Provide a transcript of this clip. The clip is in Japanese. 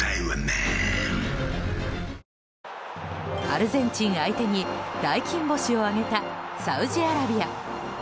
アルゼンチン相手に大金星を挙げたサウジアラビア。